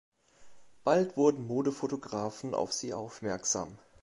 Bald wurden Modefotografen auf sie aufmerksam.